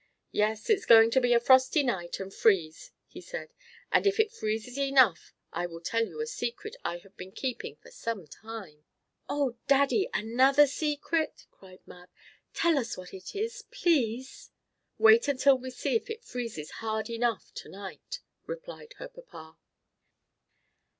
"Yes, it is going to be a frosty night, and freeze," he said. "And if it freezes enough I will tell you a secret I have been keeping for some time." "Oh Daddy! Another secret!" cried Mab. "Tell us what it is, please!" "Wait until we see if it freezes hard enough to night," replied her papa.